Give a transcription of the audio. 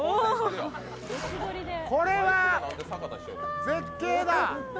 これは絶景だ。